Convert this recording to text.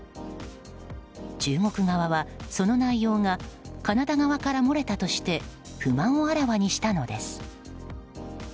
中国側は、その内容がカナダ側から漏れたとして不満をあらわにしたのです。